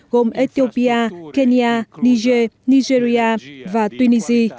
gồm ethiopia kenya niger nigeria và tunisia